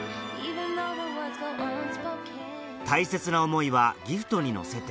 大切な思いはギフトに乗せて